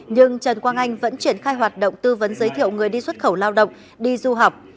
nhưng trần quang anh vẫn triển khai hoạt động tư vấn giới thiệu người đi xuất khẩu lao động đi du học